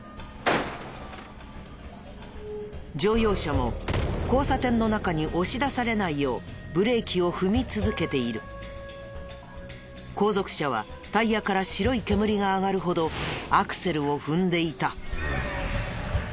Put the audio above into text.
乗用車も交差点の中に押し出されないよう後続車はタイヤから白い煙が上がるほどアクセルを踏んでいた。